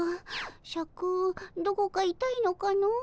シャクどこかいたいのかの？